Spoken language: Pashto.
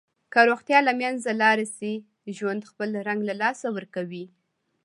که روغتیا له منځه لاړه شي، ژوند خپل رنګ له لاسه ورکوي.